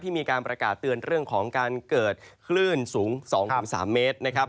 มีการประกาศเตือนเรื่องของการเกิดคลื่นสูง๒๓เมตรนะครับ